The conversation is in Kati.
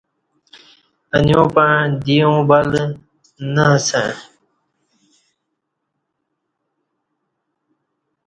انیو پݩع دی اوں بلہ نہ اسݩع